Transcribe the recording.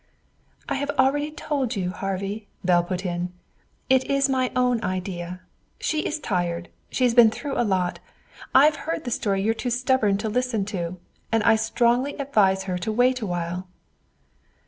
"I have already told you, Harvey," Belle put in. "It is my own idea. She is tired. She's been through a lot. I've heard the story you're too stubborn to listen to. And I strongly advise her to wait a while."